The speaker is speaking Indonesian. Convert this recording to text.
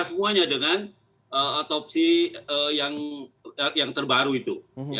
semuanya dengan otopsi yang terbaru itu